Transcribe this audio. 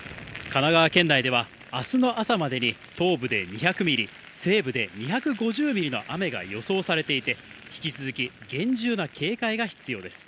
神奈川県内では、あすの朝までに東部で２００ミリ、西部で２５０ミリの雨が予想されていて、引き続き厳重な警戒が必要です。